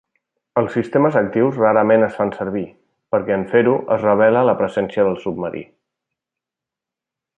Els sistemes actius rarament es fan servir, perquè en fer-ho es revela la presència del submarí.